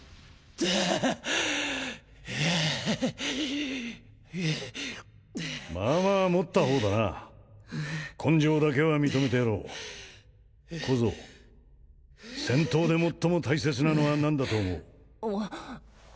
はあはあまあまあ持った方だな根性だけは認めてやろう小僧戦闘で最も大切なのは何だと思う？